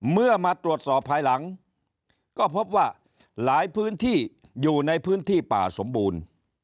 มาตรวจสอบภายหลังก็พบว่าหลายพื้นที่อยู่ในพื้นที่ป่าสมบูรณ์